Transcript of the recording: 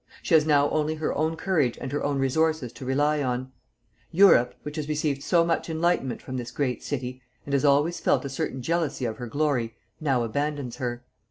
She has now only her own courage and her own resources to rely on. Europe, which has received so much enlightenment from this great city, and has always felt a certain jealousy of her glory, now abandons her.